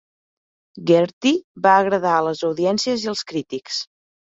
"Gertie" va agradar a les audiències i als crítics.